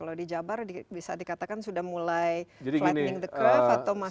kalau di jabar bisa dikatakan sudah mulai flattening the curve atau masih